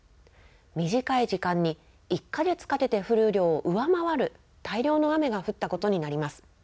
短い時間に１か月かけて降る雨量を上回る大量の雨が降ったことになります。